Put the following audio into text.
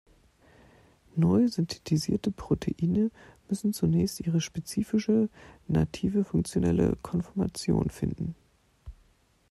Neu synthetisierte Proteine müssen zunächst ihre spezifische, native, funktionelle Konformation finden.